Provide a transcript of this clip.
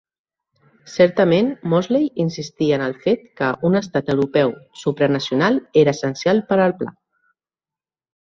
Certament, Mosley insistia en el fet que un estat europeu supranacional era essencial per al pla.